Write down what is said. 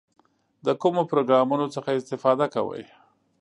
د کومو پروګرامونو څخه استفاده کوئ؟